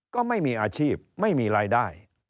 ก็ไม่มีอาชีพไม่มีรายได้